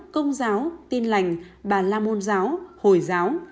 công giáo tinh lành bà lamôn giáo hồi giáo